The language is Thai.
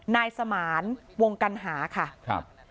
นายสมานวงกัณหาค่ะครับ